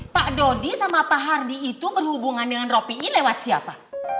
pak dodi sama pak hardi itu berhubungan dengan ropiin lewat siapa